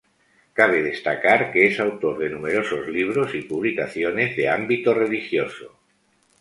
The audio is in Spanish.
Cabe destacar, que es autor de numerosos libros y publicaciones de ámbito religioso.